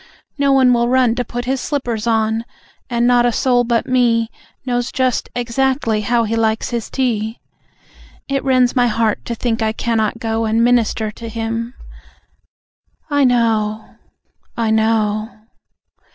No one will run to put his slippers on. And not a soul but me Knows just exactly how he likes his tea. It rends my heart to think I cannot go And minister to him. ... I know. I know.